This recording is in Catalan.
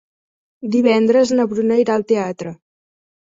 Divendres na Bruna irà al teatre.